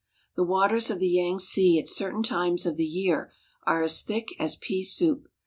The waters of the Yangtze at certain times of the year are as thick as pea soup.